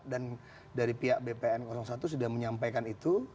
dan dari pihak bpn satu sudah menyampaikan itu